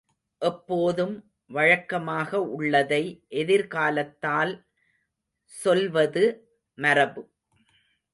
எப்போதும் வழக்கமாக உள்ளதை எதிர்காலத்தால் சொல்வது மரபு.